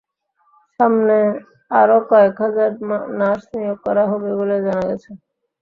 সামনে আরও কয়েক হাজার নার্স নিয়োগ করা হবে বলে জানা গেছে।